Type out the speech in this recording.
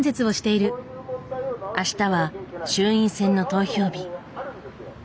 あしたは衆院選の投票日。